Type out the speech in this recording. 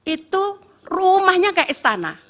itu rumahnya kayak istana